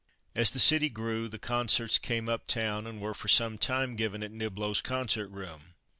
As the city grew the concerts came up town, and were for some time given at Niblo's concert room.